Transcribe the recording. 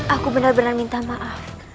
aku benar benar minta maaf